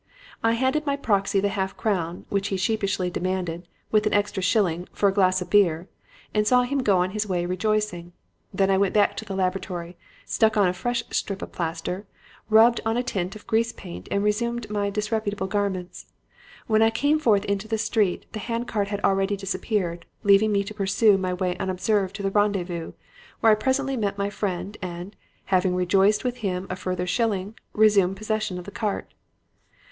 "I handed my proxy the half crown which he sheepishly demanded, with an extra shilling 'for a glass of beer,' and saw him go on his way rejoicing. Then I went back to the laboratory, stuck on a fresh strip of plaster, rubbed on a tint of grease paint and resumed my disreputable garments. When I came forth into the street, the hand cart had already disappeared, leaving me to pursue my way unobserved to the rendezvous, where I presently met my friend, and, having rejoiced him with a further shilling, resumed possession of the cart.